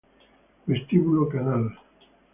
Vestíbulo Canal